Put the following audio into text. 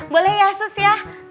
boleh ya sus ya